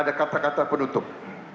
ada kata kata penutup